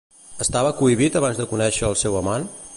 Estava cohibit abans de conèixer al seu amant?